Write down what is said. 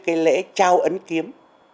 cái lễ trao ấn kiếm